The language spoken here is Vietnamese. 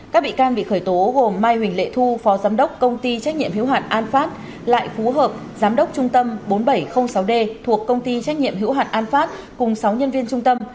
các bị can bị khởi tố gồm mai huỳnh lệ thu phó giám đốc công ty trách nhiệm hiếu hạn an phát lại phú hợp giám đốc trung tâm bốn nghìn bảy trăm linh sáu d thuộc công ty trách nhiệm hữu hạn an phát cùng sáu nhân viên trung tâm